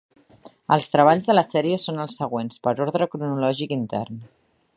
Els treballs de la sèrie són els següents, per ordre cronològic intern.